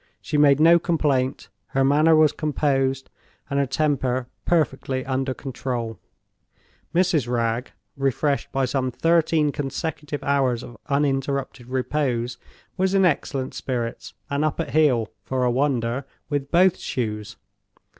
She made no complaint: her manner was composed, and her temper perfectly under control. Mrs. Wragge—refreshed by some thirteen consecutive hours of uninterrupted repose—was in excellent spirits, and up at heel (for a wonder) with both shoes.